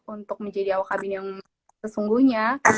untuk menjadi awak kabin yang sesungguhnya